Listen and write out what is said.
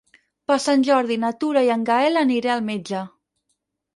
Per Sant Jordi na Tura i en Gaël aniré al metge.